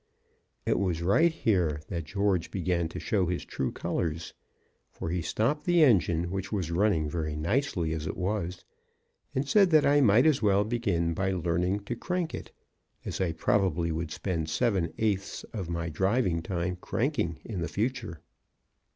It was right here that George began to show his true colors, for he stopped the engine, which was running very nicely as it was, and said that I might as well begin by learning to crank it, as I probably would spend seven eighths of my driving time cranking in the future.